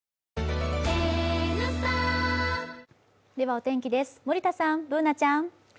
お天気です、森田さん、Ｂｏｏｎａちゃん。